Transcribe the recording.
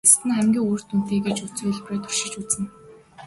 Эцэст нь хамгийн үр дүнтэй гэж үзсэн хувилбараа туршиж үзнэ.